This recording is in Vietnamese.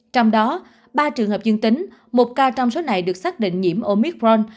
trong đó ba trường hợp dương tính một ca trong số này được xác định nhiễm omicron